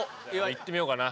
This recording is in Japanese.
いってみようかな。